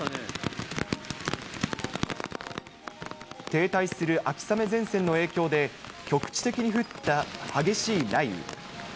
停滞する秋雨前線の影響で、局地的に降った激しい雷雨。